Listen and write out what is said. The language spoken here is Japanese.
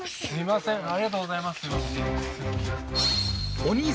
すいません